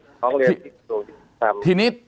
ร้องเรียนที่ท่านด้วยครับ